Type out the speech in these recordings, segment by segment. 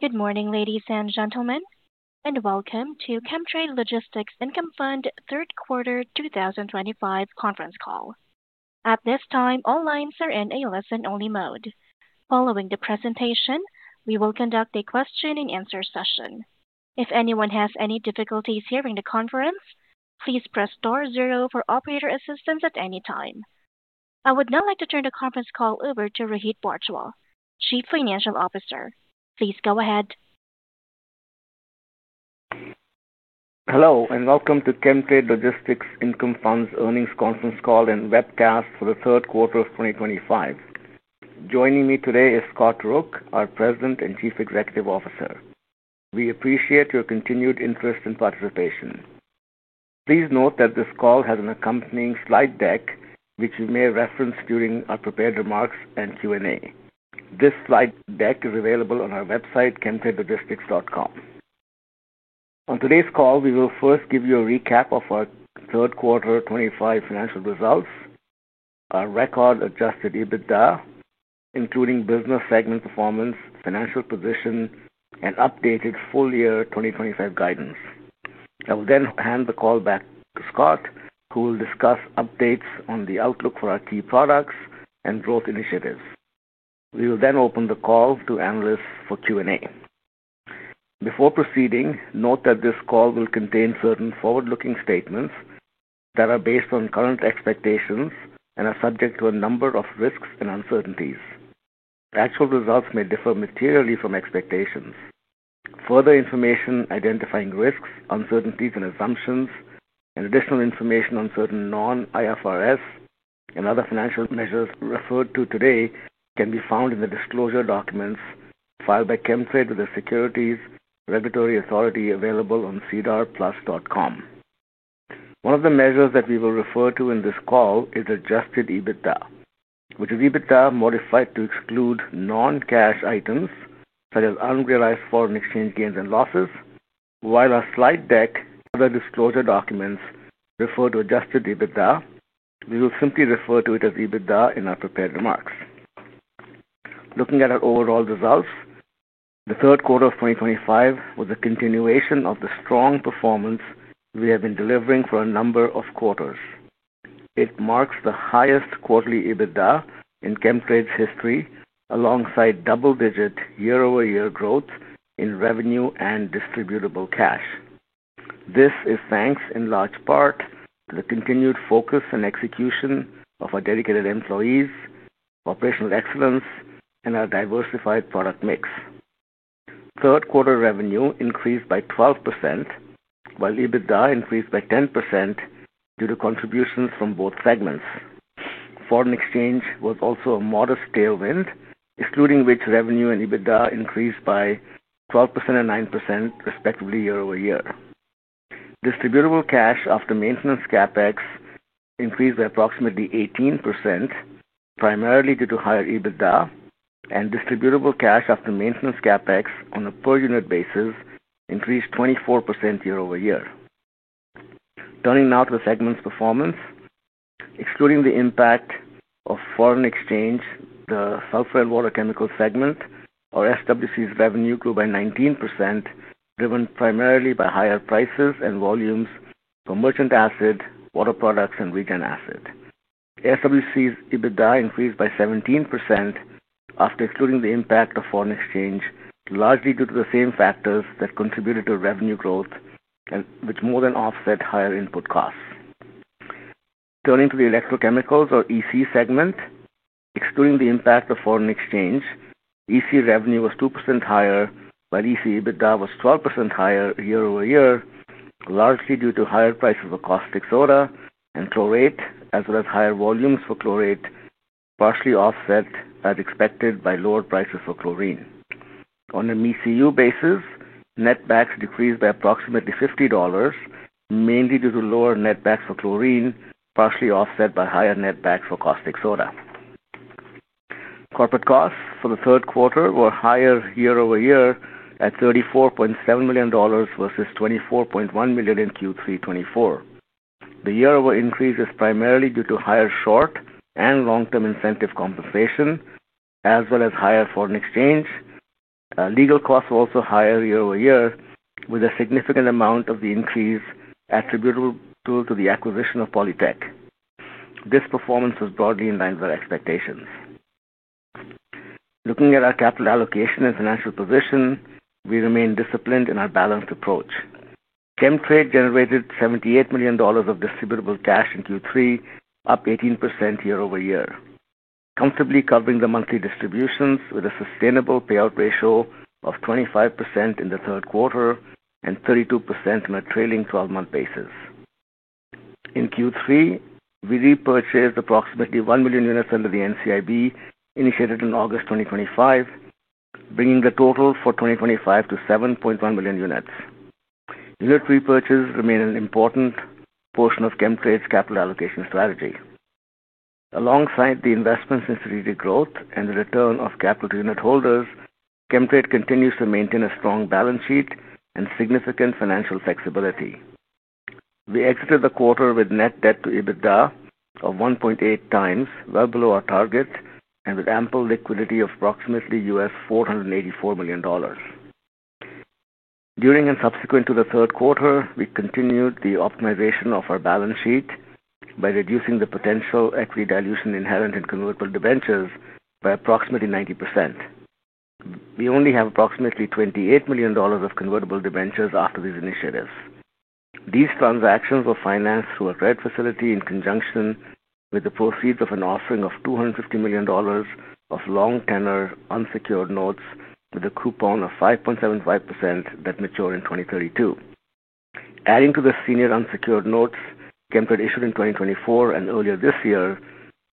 Good morning, ladies and gentlemen, and welcome to Chemtrade Logistics Income Fund Q3 2025 conference call. At this time, all lines are in a listen-only mode. Following the presentation, we will conduct a question-and-answer session. If anyone has any difficulties hearing the conference, please press star zero for operator assistance at any time. I would now like to turn the conference call over to Rohit Bhardwaj, Chief Financial Officer. Please go ahead. Hello, and welcome to Chemtrade Logistics Income Fund's earnings conference call and webcast for Q3 2025. Joining me today is Scott Rook, our President and Chief Executive Officer. We appreciate your continued interest and participation. Please note that this call has an accompanying slide deck, which you may reference during our prepared remarks and Q&A. This slide deck is available on our website, chemtradelogistics.com. On today's call, we will first give you a recap of our Q3 2025 financial results, our record adjusted EBITDA, including business segment performance, financial position, and updated full-year 2025 guidance. I will then hand the call back to Scott, who will discuss updates on the outlook for our key products and growth initiatives. We will then open the call to analysts for Q&A. Before proceeding, note that this call will contain certain forward-looking statements that are based on current expectations and are subject to a number of risks and uncertainties. Actual results may differ materially from expectations. Further information identifying risks, uncertainties, and assumptions, and additional information on certain non-IFRS and other financial measures referred to today can be found in the disclosure documents filed by Chemtrade with the Securities Regulatory Authority available on cdrplus.com. One of the measures that we will refer to in this call is adjusted EBITDA, which is EBITDA modified to exclude non-cash items such as unrealized foreign exchange gains and losses. While our slide deck and other disclosure documents refer to adjusted EBITDA, we will simply refer to it as EBITDA in our prepared remarks. Looking at our overall results, Q3 2025 was a continuation of the strong performance we have been delivering for a number of quarters. It marks the highest quarterly EBITDA in Chemtrade's history, alongside double-digit year-over-year growth in revenue and distributable cash. This is thanks, in large part, to the continued focus and execution of our dedicated employees, operational excellence, and our diversified product mix. Q3 revenue increased by 12%, while EBITDA increased by 10% due to contributions from both segments. Foreign exchange was also a modest tailwind, excluding which revenue and EBITDA increased by 12% and 9%, respectively, year-over-year. Distributable cash after maintenance capex increased by approximately 18%, primarily due to higher EBITDA, and distributable cash after maintenance capex on a per-unit basis increased 24% year-over-year. Turning now to the segment's performance, excluding the impact of foreign exchange, the sulfur and water chemicals segment, our SWC's revenue grew by 19%, driven primarily by higher prices and volumes for merchant assets, water products, and region assets. SWC's EBITDA increased by 17% after excluding the impact of foreign exchange, largely due to the same factors that contributed to revenue growth, which more than offset higher input costs. Turning to the electrochemicals, or EC segment, excluding the impact of foreign exchange, EC revenue was 2% higher, while EC EBITDA was 12% higher year-over-year, largely due to higher prices for caustic soda and chlorate, as well as higher volumes for chlorate, partially offset as expected by lower prices for chlorine. On a MCU basis, net BACs decreased by approximately $50, mainly due to lower net BACs for chlorine, partially offset by higher net BACs for caustic soda. Corporate costs for Q3 were higher year-over-year at 34.7 million dollars versus 24.1 million in Q3 2024. The year-over-year increase is primarily due to higher short and long-term incentive compensation, as well as higher foreign exchange. Legal costs were also higher year-over-year, with a significant amount of the increase attributable to the acquisition of Polytec. This performance was broadly in line with our expectations. Looking at our capital allocation and financial position, we remain disciplined in our balanced approach. Chemtrade generated $78 million of distributable cash in Q3, up 18% year-over-year, comfortably covering the monthly distributions with a sustainable payout ratio of 25% in Q3 and 32% on a trailing 12-month basis. In Q3, we repurchased approximately 1 million units under the NCIB, initiated in August 2025, bringing the total for 2025 to 7.1 million units. Unit repurchase remained an important portion of Chemtrade's capital allocation strategy. Alongside the investment sensitivity growth and the return of capital to unitholders, Chemtrade continues to maintain a strong balance sheet and significant financial flexibility. We exited the quarter with net debt to EBITDA of 1.8 times, well below our target, and with ample liquidity of approximately $484 million. During and subsequent to Q3, we continued the optimization of our balance sheet by reducing the potential equity dilution inherent in convertible debentures by approximately 90%. We only have approximately $28 million of convertible debentures after these initiatives. These transactions were financed through a credit facility in conjunction with the proceeds of an offering of $250 million of long-tenor unsecured notes with a coupon of 5.75% that mature in 2032. Adding to the senior unsecured notes Chemtrade issued in 2024 and earlier this year,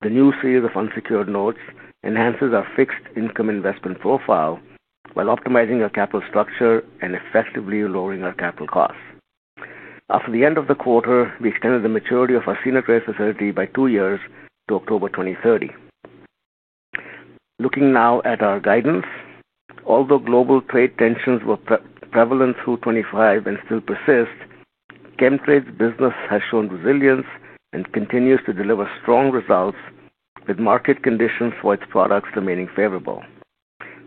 the new series of unsecured notes enhances our fixed income investment profile while optimizing our capital structure and effectively lowering our capital costs. After the end of the quarter, we extended the maturity of our senior credit facility by two years to October 2030. Looking now at our guidance, although global trade tensions were prevalent through 2025 and still persist, Chemtrade's business has shown resilience and continues to deliver strong results, with market conditions for its products remaining favorable.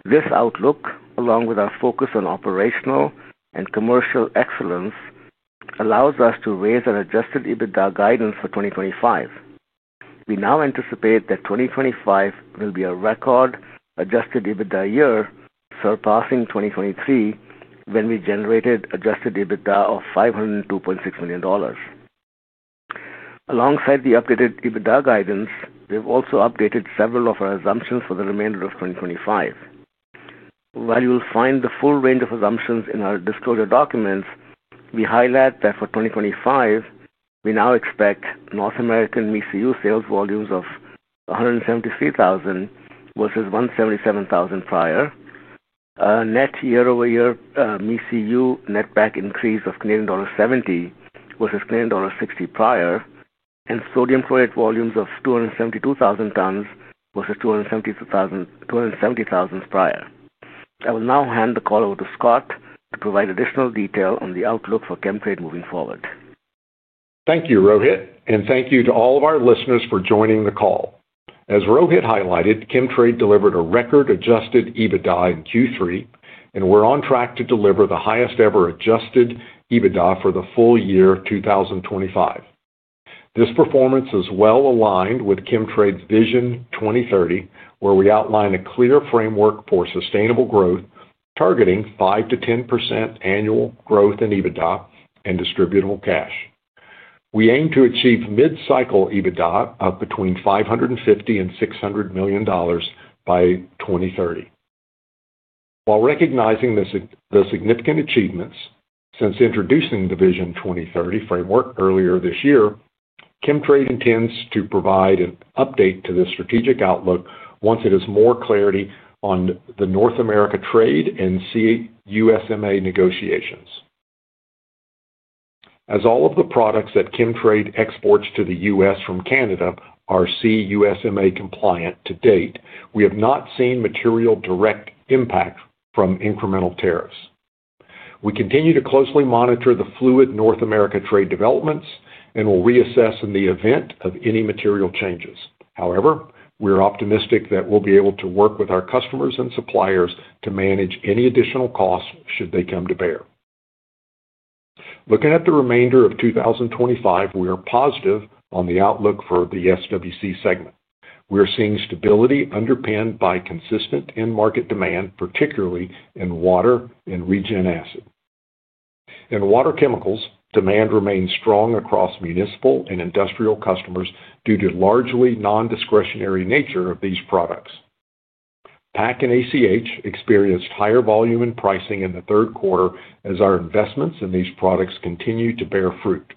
This outlook, along with our focus on operational and commercial excellence, allows us to raise an adjusted EBITDA guidance for 2025. We now anticipate that 2025 will be a record adjusted EBITDA year surpassing 2023, when we generated adjusted EBITDA of $502.6 million. Alongside the updated EBITDA guidance, we have also updated several of our assumptions for the remainder of 2025. While you'll find the full range of assumptions in our disclosure documents, we highlight that for 2025, we now expect North American MCU sales volumes of 173,000 versus 177,000 prior, a net year-over-year MCU net back increase of $70 versus $60 prior, and sodium chlorate volumes of 272,000 tons versus 270,000 prior. I will now hand the call over to Scott to provide additional detail on the outlook for Chemtrade moving forward. Thank you, Rohit, and thank you to all of our listeners for joining the call. As Rohit highlighted, Chemtrade delivered a record adjusted EBITDA in Q3, and we're on track to deliver the highest-ever adjusted EBITDA for the full year 2025. This performance is well aligned with Chemtrade's Vision 2030, where we outline a clear framework for sustainable growth, targeting 5%-10% annual growth in EBITDA and distributable cash. We aim to achieve mid-cycle EBITDA of between $550 million and $600 million by 2030. While recognizing the significant achievements since introducing the Vision 2030 framework earlier this year, Chemtrade intends to provide an update to the strategic outlook once it has more clarity on the North America trade and CUSMA negotiations. As all of the products that Chemtrade exports to the U.S. from Canada are CUSMA compliant to date, we have not seen material direct impact from incremental tariffs. We continue to closely monitor the fluid North America trade developments and will reassess in the event of any material changes. However, we are optimistic that we'll be able to work with our customers and suppliers to manage any additional costs should they come to bear. Looking at the remainder of 2025, we are positive on the outlook for the SWC segment. We are seeing stability underpinned by consistent in-market demand, particularly in water and region assets. In water chemicals, demand remains strong across municipal and industrial customers due to the largely non-discretionary nature of these products. PAC and ACH experienced higher volume and pricing in Q3 as our investments in these products continue to bear fruit.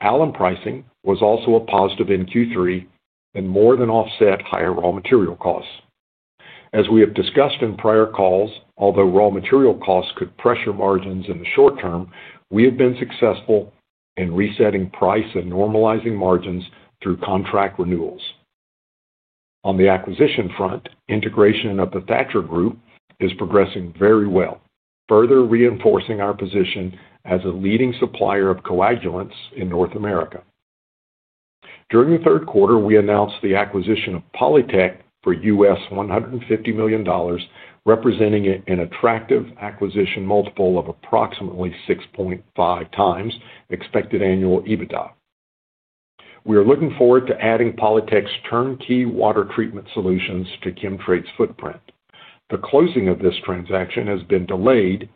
Alum pricing was also a positive in Q3 and more than offset higher raw material costs. As we have discussed in prior calls, although raw material costs could pressure margins in the short term, we have been successful in resetting price and normalizing margins through contract renewals. On the acquisition front, integration of the Thatcher Group is progressing very well, further reinforcing our position as a leading supplier of coagulants in North America. During Q3, we announced the acquisition of Polytec for $150 million, representing an attractive acquisition multiple of approximately 6.5x expected annual EBITDA. We are looking forward to adding Polytec's turnkey water treatment solutions to Chemtrade's footprint. The closing of this transaction has been delayed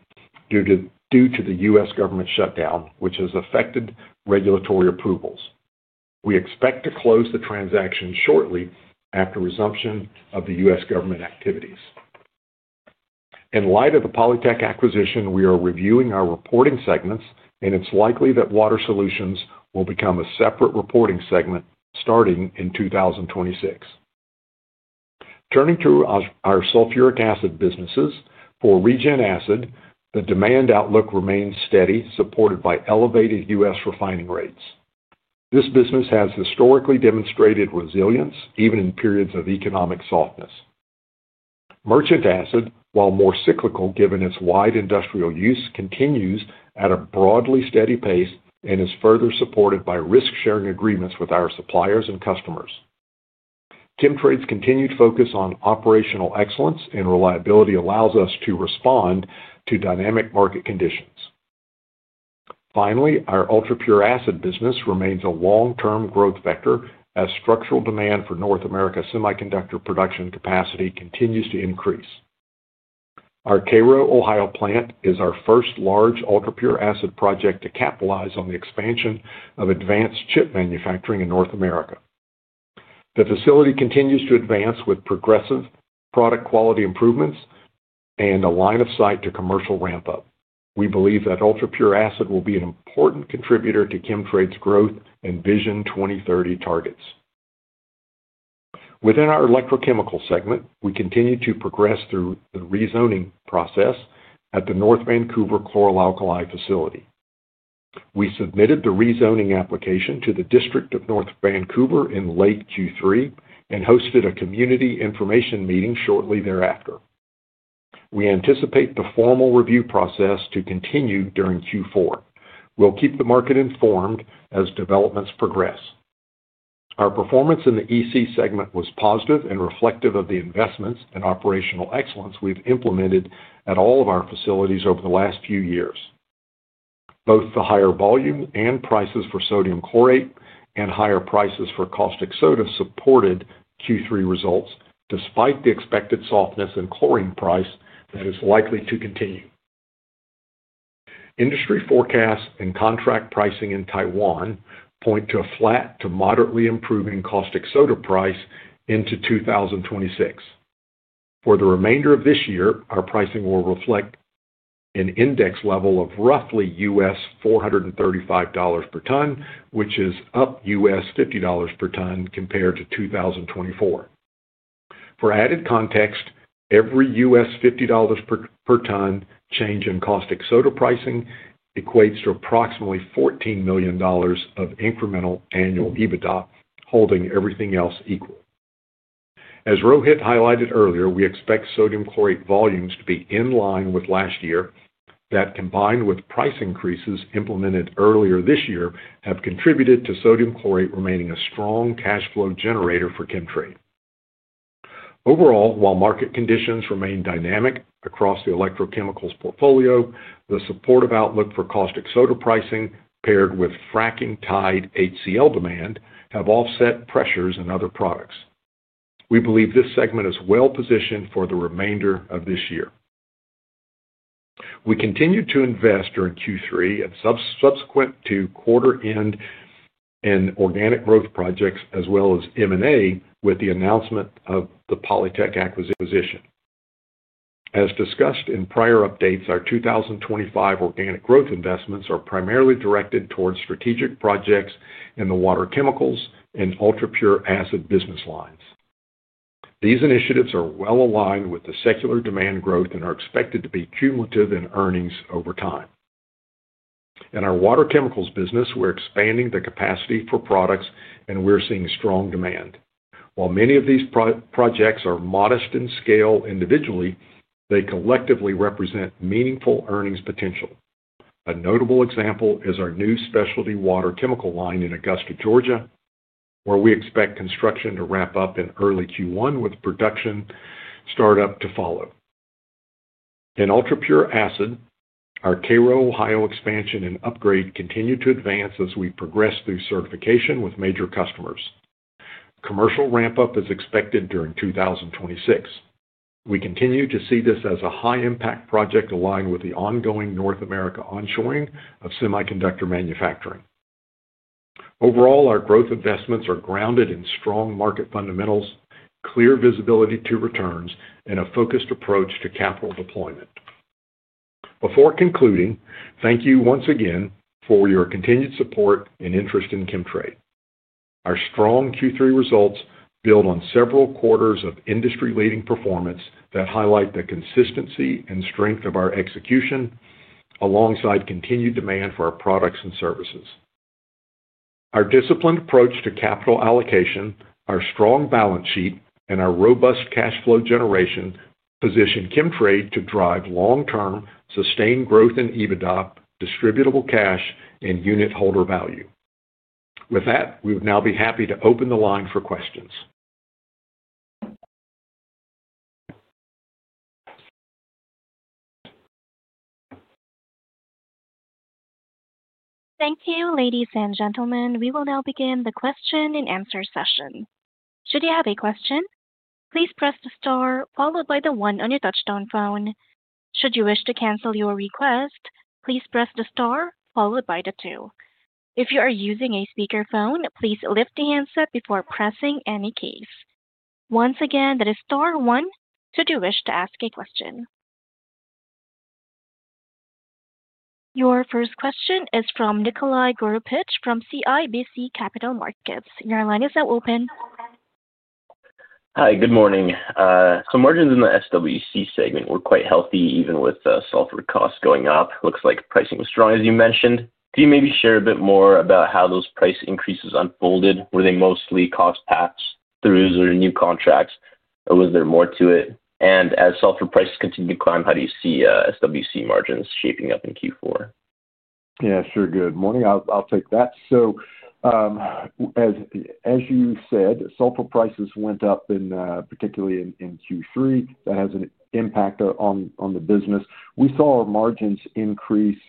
due to the U.S. government shutdown, which has affected regulatory approvals. We expect to close the transaction shortly after resumption of the U.S. government activities. In light of the Polytec acquisition, we are reviewing our reporting segments, and it's likely that water solutions will become a separate reporting segment starting in 2026. Turning to our sulfuric acid businesses, for region asset, the demand outlook remains steady, supported by elevated U.S. refining rates. This business has historically demonstrated resilience even in periods of economic softness. Merchant asset, while more cyclical given its wide industrial use, continues at a broadly steady pace and is further supported by risk-sharing agreements with our suppliers and customers. Chemtrade's continued focus on operational excellence and reliability allows us to respond to dynamic market conditions. Finally, our ultrapure acid business remains a long-term growth vector as structural demand for North America semiconductor production capacity continues to increase. Our Cairo, Ohio plant is our first large ultrapure acid project to capitalize on the expansion of advanced chip manufacturing in North America. The facility continues to advance with progressive product quality improvements and a line of sight to commercial ramp-up. We believe that ultrapure acid will be an important contributor to Chemtrade's growth and Vision 2030 targets. Within our electrochemical segment, we continue to progress through the rezoning process at the North Vancouver chlor-alkali facility. We submitted the rezoning application to the District of North Vancouver in late Q3 and hosted a community information meeting shortly thereafter. We anticipate the formal review process to continue during Q4. We'll keep the market informed as developments progress. Our performance in the EC segment was positive and reflective of the investments and operational excellence we've implemented at all of our facilities over the last few years. Both the higher volume and prices for sodium chlorate and higher prices for caustic soda supported Q3 results, despite the expected softness in chlorine price that is likely to continue. Industry forecasts and contract pricing in Taiwan point to a flat to moderately improving caustic soda price into 2026. For the remainder of this year, our pricing will reflect an index level of roughly $435 per ton, which is up $50 per ton compared to 2024. For added context, every $50 per ton change in caustic soda pricing equates to approximately $14 million of incremental annual EBITDA, holding everything else equal. As Rohit highlighted earlier, we expect sodium chlorate volumes to be in line with last year that, combined with price increases implemented earlier this year, have contributed to sodium chlorate remaining a strong cash flow generator for Chemtrade. Overall, while market conditions remain dynamic across the electrochemicals portfolio, the supportive outlook for caustic soda pricing, paired with fracking-tied HCl demand, have offset pressures in other products. We believe this segment is well positioned for the remainder of this year. We continue to invest during Q3 and subsequent to quarter-end in organic growth projects, as well as M&A with the announcement of the Polytec acquisition. As discussed in prior updates, our 2025 organic growth investments are primarily directed towards strategic projects in the water chemicals and ultrapure acid business lines. These initiatives are well aligned with the secular demand growth and are expected to be cumulative in earnings over time. In our water chemicals business, we're expanding the capacity for products, and we're seeing strong demand. While many of these projects are modest in scale individually, they collectively represent meaningful earnings potential. A notable example is our new specialty water chemical line in Augusta, Georgia, where we expect construction to wrap up in early Q1, with production startup to follow. In ultrapure acid, our Cairo, Ohio expansion and upgrade continue to advance as we progress through certification with major customers. Commercial ramp-up is expected during 2026. We continue to see this as a high-impact project aligned with the ongoing North America onshoring of semiconductor manufacturing. Overall, our growth investments are grounded in strong market fundamentals, clear visibility to returns, and a focused approach to capital deployment. Before concluding, thank you once again for your continued support and interest in Chemtrade. Our strong Q3 results build on several quarters of industry-leading performance that highlight the consistency and strength of our execution alongside continued demand for our products and services. Our disciplined approach to capital allocation, our strong balance sheet, and our robust cash flow generation position Chemtrade to drive long-term sustained growth in EBITDA, distributable cash, and unit holder value. With that, we would now be happy to open the line for questions. Thank you, ladies and gentlemen. We will now begin the question-and-answer session. Should you have a question, please press the star followed by the one on your touch-tone phone. Should you wish to cancel your request, please press the star followed by the two. If you are using a speakerphone, please lift the handset before pressing any keys. Once again, that is star one should you wish to ask a question. Your first question is from Nikolai Gorupich from CIBC Capital Markets. Your line is now open. Hi, good morning. Margins in the SWC segment were quite healthy, even with the sulfur costs going up. Looks like pricing was strong, as you mentioned. Can you maybe share a bit more about how those price increases unfolded? Were they mostly cost pass-throughs in new contracts, or was there more to it? As sulfur prices continue to climb, how do you see SWC margins shaping up in Q4? Yeah, sure. Good morning. I'll take that. As you said, sulfur prices went up, particularly in Q3. That has an impact on the business. We saw our margins increase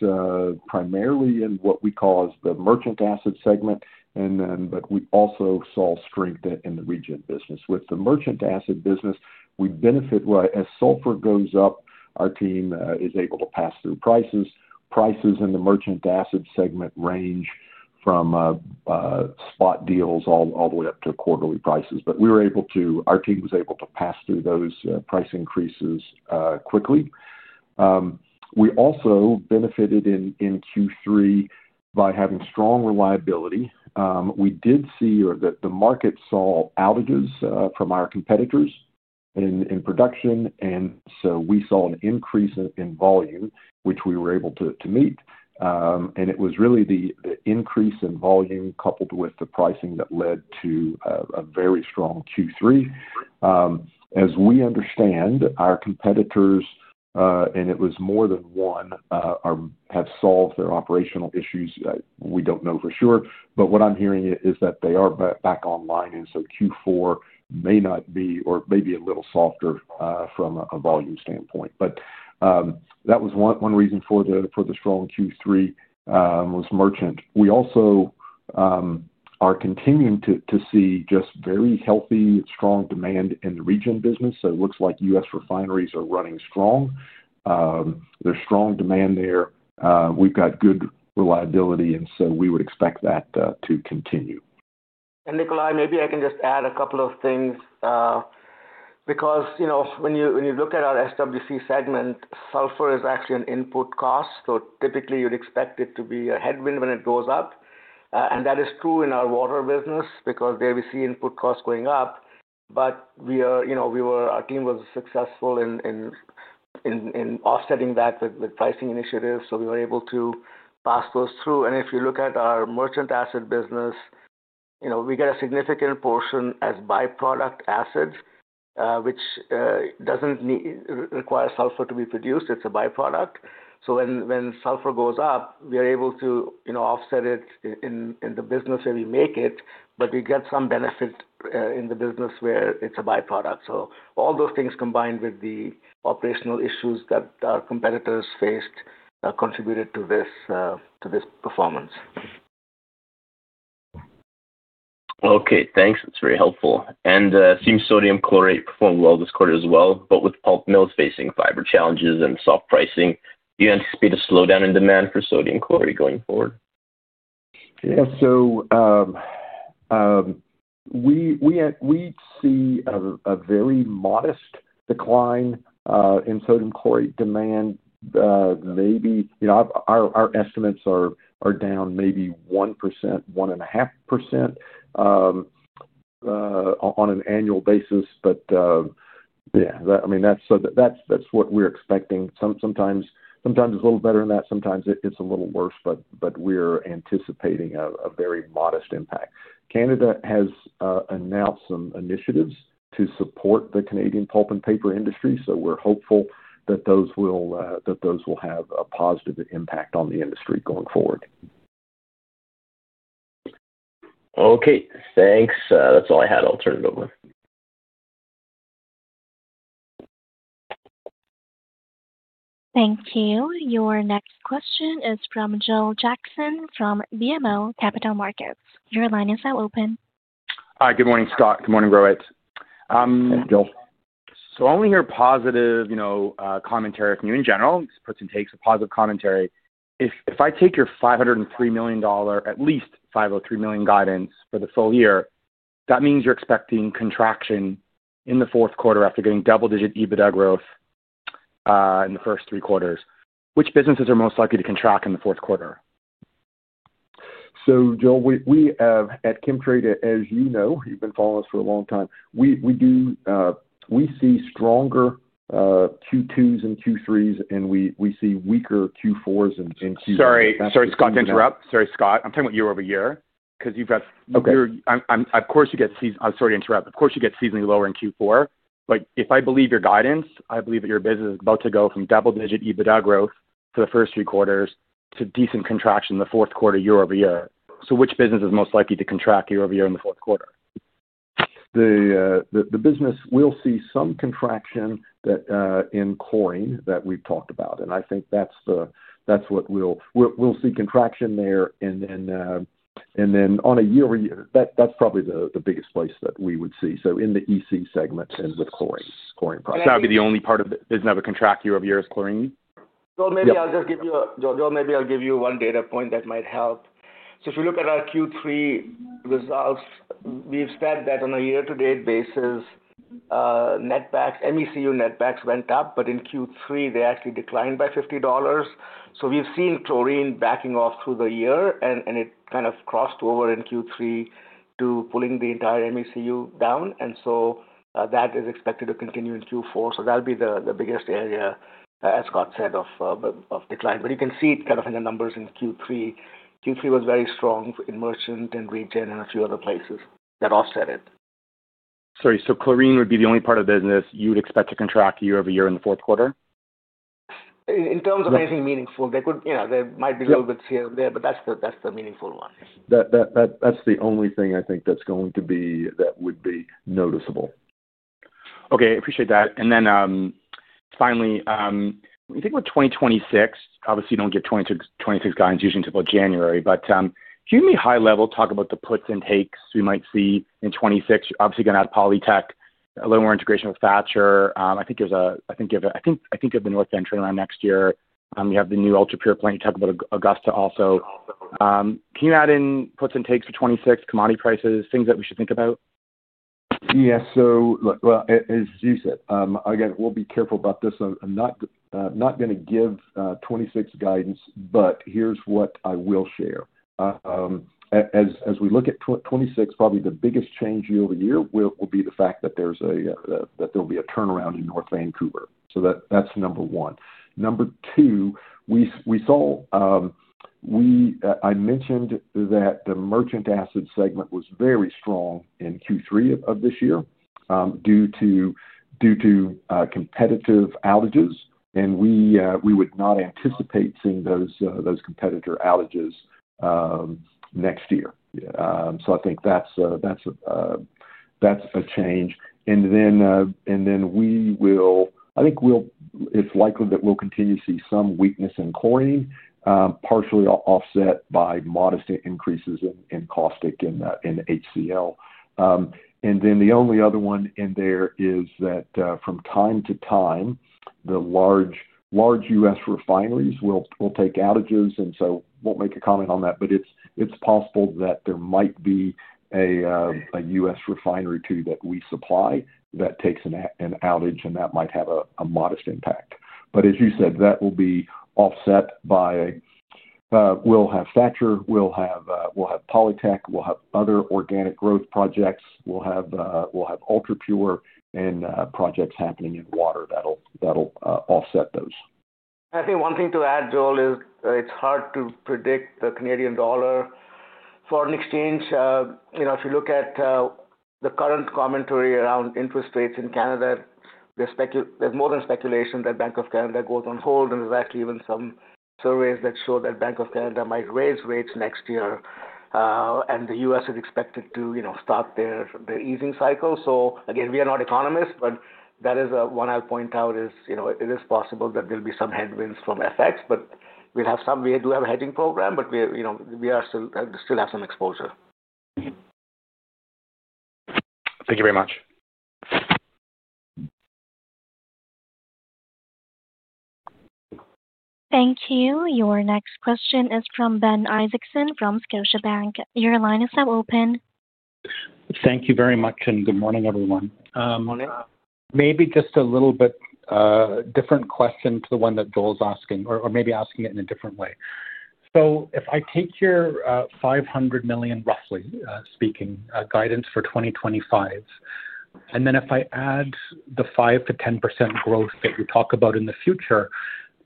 primarily in what we call the merchant asset segment, but we also saw strength in the region business. With the merchant asset business, we benefit as sulfur goes up, our team is able to pass through prices. Prices in the merchant asset segment range from spot deals all the way up to quarterly prices. We were able to—our team was able to pass through those price increases quickly. We also benefited in Q3 by having strong reliability. We did see that the market saw outages from our competitors in production, and we saw an increase in volume, which we were able to meet. It was really the increase in volume coupled with the pricing that led to a very strong Q3. As we understand, our competitors—and it was more than one—have solved their operational issues. We do not know for sure, but what I am hearing is that they are back online. Q4 may be a little softer from a volume standpoint. That was one reason for the strong Q3, was merchant. We also are continuing to see just very healthy, strong demand in the region business. It looks like US refineries are running strong. There is strong demand there. We have good reliability, and we would expect that to continue. Nikolai, maybe I can just add a couple of things because when you look at our SWC segment, sulfur is actually an input cost. Typically, you'd expect it to be a headwind when it goes up. That is true in our water business because there we see input costs going up. Our team was successful in offsetting that with pricing initiatives, so we were able to pass those through. If you look at our merchant asset business, we get a significant portion as byproduct assets, which does not require sulfur to be produced. It is a byproduct. When sulfur goes up, we are able to offset it in the business where we make it, but we get some benefit in the business where it is a byproduct. All those things combined with the operational issues that our competitors faced contributed to this performance. Okay. Thanks. That's very helpful. It seems sodium chlorate performed well this quarter as well. With pulp mills facing fiber challenges and soft pricing, do you anticipate a slowdown in demand for sodium chlorate going forward? Yeah. We see a very modest decline in sodium chlorate demand. Maybe our estimates are down maybe 1%-1.5% on an annual basis. Yeah, I mean, that's what we're expecting. Sometimes it's a little better than that. Sometimes it's a little worse, but we're anticipating a very modest impact. Canada has announced some initiatives to support the Canadian pulp and paper industry, so we're hopeful that those will have a positive impact on the industry going forward. Okay. Thanks. That's all I had. I'll turn it over. Thank you. Your next question is from Joel Jackson from BMO Capital Markets. Your line is now open. Hi. Good morning, Scott. Good morning, Rohit. Hey, Joel. I only hear positive commentary from you in general, just puts and takes of positive commentary. If I take your $503 million, at least $503 million guidance for the full year, that means you're expecting contraction in the fourth quarter after getting double-digit EBITDA growth in the first three quarters. Which businesses are most likely to contract in the fourth quarter? Joel, at Chemtrade, as you know, you've been following us for a long time. We see stronger Q2s and Q3s, and we see weaker Q4s and Q1s. Sorry. Sorry, Scott, to interrupt. Sorry, Scott. I'm talking about year-over-year because you get—of course, you get—I'm sorry to interrupt. Of course, you get seasonally lower in Q4. If I believe your guidance, I believe that your business is about to go from double-digit EBITDA growth for the first three quarters to decent contraction in the fourth quarter year-over-year. Which business is most likely to contract year-over-year in the fourth quarter? The business, we'll see some contraction in chlorine that we've talked about. I think that's what we'll see: contraction there. On a year-over-year, that's probably the biggest place that we would see. In the EC segment and with chlorine products. That would be the only part of the business that would contract year-over-year, is chlorine? Joel, maybe I'll just give you one data point that might help. If you look at our Q3 results, we've said that on a year-to-date basis, net back, MECU net back went up, but in Q3, they actually declined by $50. We've seen chlorine backing off through the year, and it kind of crossed over in Q3 to pulling the entire MECU down. That is expected to continue in Q4. That'll be the biggest area, as Scott said, of decline. You can see it kind of in the numbers in Q3. Q3 was very strong in merchant and region and a few other places that offset it. Sorry. So chlorine would be the only part of business you would expect to contract year-over-year in the fourth quarter? In terms of anything meaningful, there might be a little bit here and there, but that is the meaningful one. That's the only thing I think that's going to be that would be noticeable. Okay. I appreciate that. Finally, when you think about 2026, obviously, you do not get 2026 guidance usually until about January. Can you give me high-level talk about the puts and takes we might see in 2026? Obviously, you are going to have Polytec, a little more integration with Thatcher. I think you have the North Bend trade around next year. You have the new ultrapure plant. You talked about Augusta also. Can you add in puts and takes for 2026, commodity prices, things that we should think about? Yeah. Look, as you said, again, we'll be careful about this. I'm not going to give 2026 guidance, but here's what I will share. As we look at 2026, probably the biggest change year-over-year will be the fact that there will be a turnaround in North Vancouver. That is number one. Number two, I mentioned that the merchant acid segment was very strong in Q3 of this year due to competitive outages, and we would not anticipate seeing those competitor outages next year. I think that is a change. I think it is likely that we will continue to see some weakness in chlorine, partially offset by modest increases in caustic and HCl. The only other one in there is that from time to time, large US refineries will take outages. I will not make a comment on that, but it is possible that there might be a U.S. refinery too that we supply that takes an outage, and that might have a modest impact. As you said, that will be offset by—we will have Thatcher, we will have Polytec, we will have other organic growth projects, we will have ultrapure, and projects happening in water that will offset those. I think one thing to add, Joel, is it's hard to predict the Canadian dollar for foreign exchange. If you look at the current commentary around interest rates in Canada, there's more than speculation that Bank of Canada goes on hold. There's actually even some surveys that show that Bank of Canada might raise rates next year, and the U.S. is expected to start their easing cycle. Again, we are not economists, but that is one I'll point out is it is possible that there'll be some headwinds from FX, but we have a hedging program, but we still have some exposure. Thank you very much. Thank you. Your next question is from Ben Isaacson from Scotiabank. Your line is now open. Thank you very much, and good morning, everyone. Good morning. Maybe just a little bit different question to the one that Joel's asking, or maybe asking it in a different way. If I take your $500 million, roughly speaking, guidance for 2025, and then if I add the 5%-10% growth that you talk about in the future,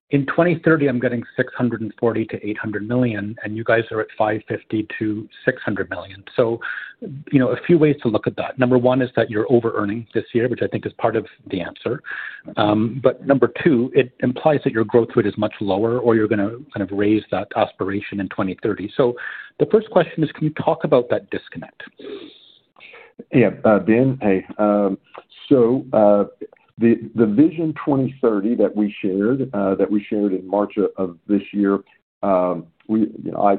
in 2030, I'm getting $640 million-$800 million, and you guys are at $550 million-$600 million. A few ways to look at that. Number one is that you're over-earning this year, which I think is part of the answer. Number two, it implies that your growth rate is much lower, or you're going to kind of raise that aspiration in 2030. The first question is, can you talk about that disconnect? Yeah. Ben, hey. The Vision 2030 that we shared in March of this year, I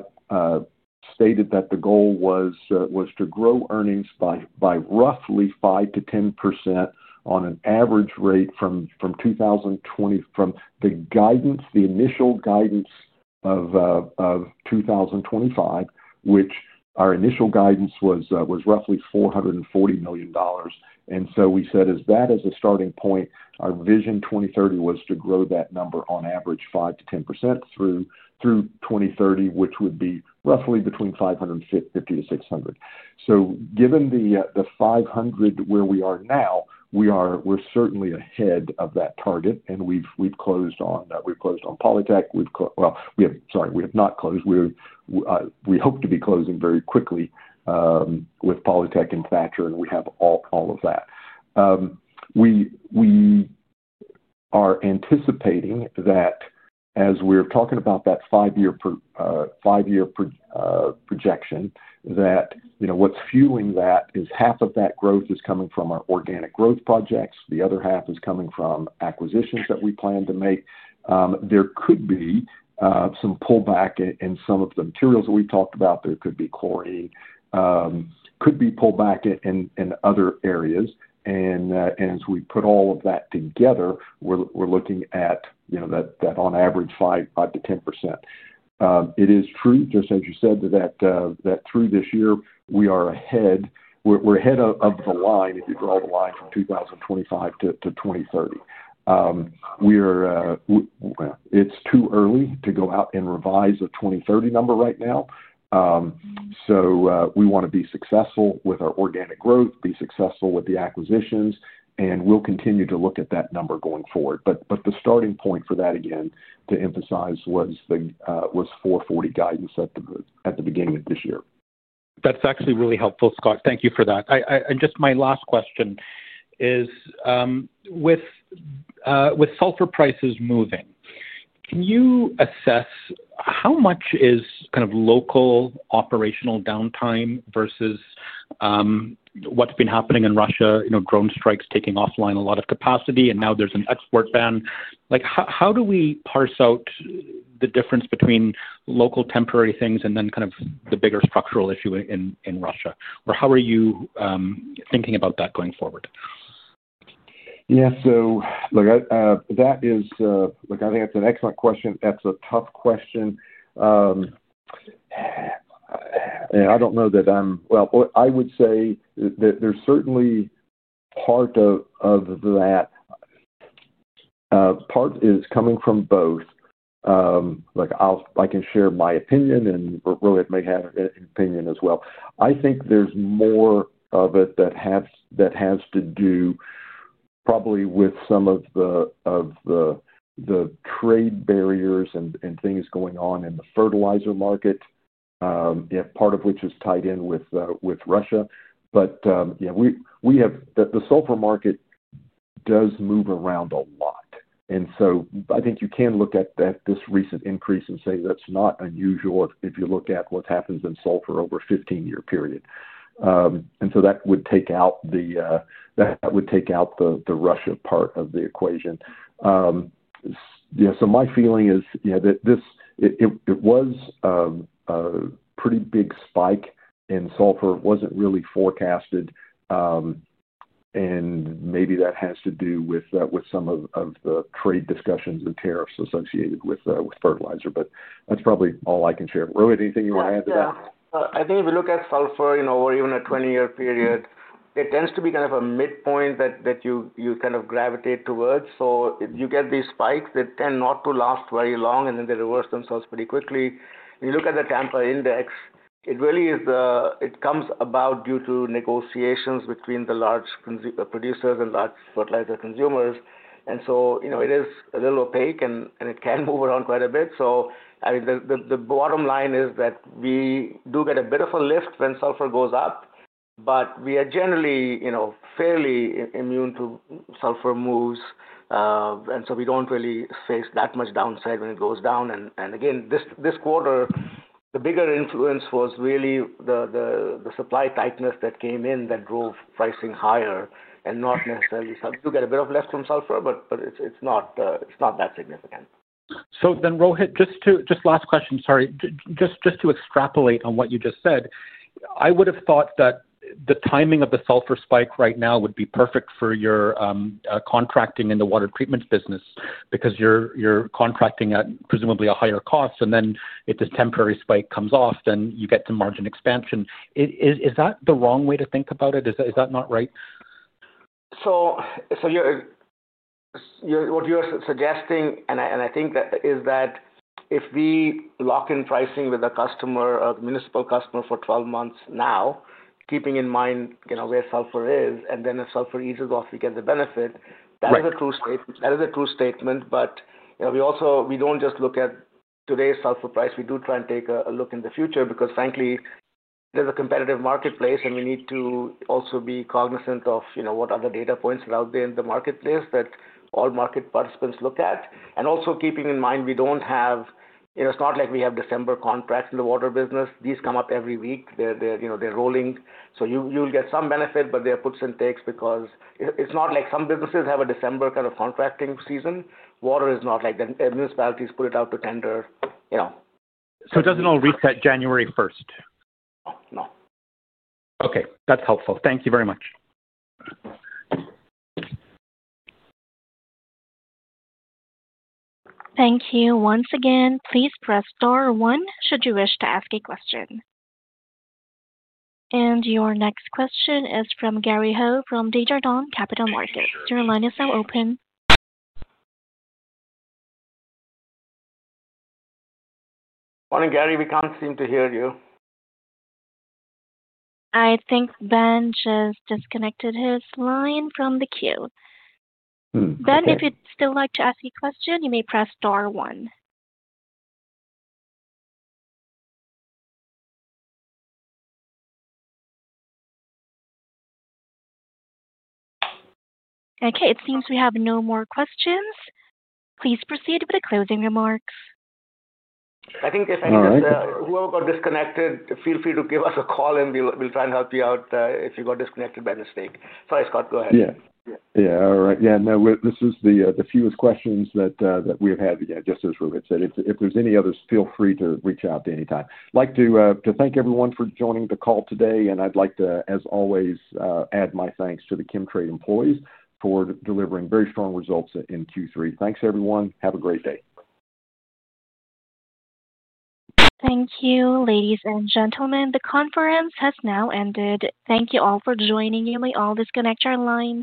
stated that the goal was to grow earnings by roughly 5%-10% on an average rate from 2020, from the initial guidance of 2025, which our initial guidance was roughly $440 million. We said, as that as a starting point, our Vision 2030 was to grow that number on average 5%-10% through 2030, which would be roughly between $550 million-$600 million. Given the $500 million where we are now, we're certainly ahead of that target, and we've closed on Polytec. We've closed—well, sorry, we have not closed. We hope to be closing very quickly with Polytec and Thatcher, and we have all of that. We are anticipating that as we're talking about that five-year projection, that what's fueling that is half of that growth is coming from our organic growth projects. The other half is coming from acquisitions that we plan to make. There could be some pullback in some of the materials that we've talked about. There could be chlorine, could be pullback in other areas. As we put all of that together, we're looking at that on average 5%-10%. It is true, just as you said, that through this year, we are ahead—we're ahead of the line if you draw the line from 2025 to 2030. It's too early to go out and revise a 2030 number right now. We want to be successful with our organic growth, be successful with the acquisitions, and we'll continue to look at that number going forward. The starting point for that, again, to emphasize was the ultrapure guidance at the beginning of this year. That's actually really helpful, Scott. Thank you for that. Just my last question is, with sulfur prices moving, can you assess how much is kind of local operational downtime versus what's been happening in Russia, drone strikes taking offline a lot of capacity, and now there's an export ban? How do we parse out the difference between local temporary things and then kind of the bigger structural issue in Russia? How are you thinking about that going forward? Yeah. Look, that is—I think that's an excellent question. That's a tough question. I don't know that I'm—I would say that there's certainly part of that. Part is coming from both. I can share my opinion, and Rohit may have an opinion as well. I think there's more of it that has to do probably with some of the trade barriers and things going on in the fertilizer market, part of which is tied in with Russia. Yeah, the sulfur market does move around a lot. I think you can look at this recent increase and say that's not unusual if you look at what's happened in sulfur over a 15-year period. That would take out the Russia part of the equation. Yeah, my feeling is, yeah, it was a pretty big spike in sulfur. It was not really forecasted, and maybe that has to do with some of the trade discussions and tariffs associated with fertilizer. That is probably all I can share. Rohit, anything you want to add to that? Yeah. I think if you look at sulfur over even a 20-year period, it tends to be kind of a midpoint that you kind of gravitate towards. You get these spikes. They tend not to last very long, and then they reverse themselves pretty quickly. When you look at the Tampa Index, it really comes about due to negotiations between the large producers and large fertilizer consumers. It is a little opaque, and it can move around quite a bit. I mean, the bottom line is that we do get a bit of a lift when sulfur goes up, but we are generally fairly immune to sulfur moves. We do not really face that much downside when it goes down. Again, this quarter, the bigger influence was really the supply tightness that came in that drove pricing higher and not necessarily. You get a bit of a lift from sulfur, but it's not that significant. Rohit, just last question. Sorry. Just to extrapolate on what you just said, I would have thought that the timing of the sulfur spike right now would be perfect for your contracting in the water treatment business because you're contracting at presumably a higher cost, and then if this temporary spike comes off, then you get some margin expansion. Is that the wrong way to think about it? Is that not right? What you're suggesting, and I think that is that if we lock in pricing with a customer, a municipal customer for 12 months now, keeping in mind where sulfur is, and then if sulfur eases off, we get the benefit, that is a true statement. That is a true statement. We don't just look at today's sulfur price. We do try and take a look in the future because, frankly, there's a competitive marketplace, and we need to also be cognizant of what other data points are out there in the marketplace that all market participants look at. Also keeping in mind we don't have—it's not like we have December contracts in the water business. These come up every week. They're rolling. You'll get some benefit, but there are puts and takes because it's not like some businesses have a December kind of contracting season. Water is not like that. Municipalities put it out to tender. Doesn't all reset January 1st? No. Okay. That's helpful. Thank you very much. Thank you. Once again, please press star one should you wish to ask a question. Your next question is from Gary Ho from Desjardins Securities. Your line is now open. Morning, Gary. We can't seem to hear you. I think Ben just disconnected his line from the queue. Ben, if you'd still like to ask a question, you may press star one. Okay. It seems we have no more questions. Please proceed with the closing remarks. I think if you got disconnected, feel free to give us a call, and we'll try and help you out if you got disconnected by mistake. Sorry, Scott. Go ahead. Yeah. Yeah. All right. Yeah. No, this is the fewest questions that we've had, yeah, just as Rohit said. If there's any others, feel free to reach out at any time. I'd like to thank everyone for joining the call today, and I'd like to, as always, add my thanks to the Chemtrade employees for delivering very strong results in Q3. Thanks, everyone. Have a great day. Thank you, ladies and gentlemen. The conference has now ended. Thank you all for joining. You may all disconnect your lines.